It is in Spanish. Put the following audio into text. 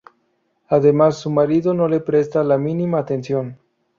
Además su marido no le presta la mínima atención.